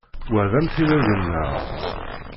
Wa d amtiweg-nneɣ.